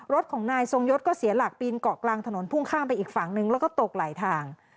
รถของนายทรงยศก็เสียหลักปีนเกาะกลางถนนพุ่งข้ามไปอีกฝั่งนึงแล้วก็ตกหลายทาง